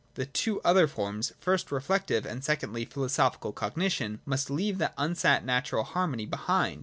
The two other forms, first reflective, and secondly philosophical cognition, must leave that unsought natural harmony behind.